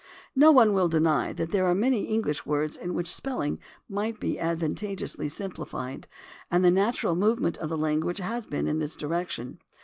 No one will deny that there are many English words in which the spelling might be advantageously simplified, and the natural movement of the language has been in this direction.